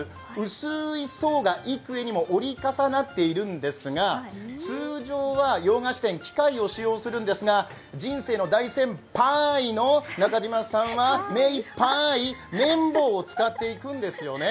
薄い層が幾重にも折り重なっているんですが通常は洋菓子店、機械を使用するのですが、人生の大先パイの中島さんは目いっぱい、めん棒を使っていくんですよね